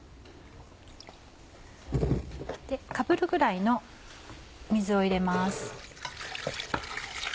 かぶるぐらいの水を入れます。